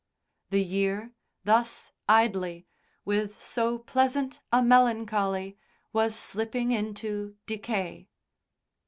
The year, thus idly, with so pleasant a melancholy, was slipping into decay.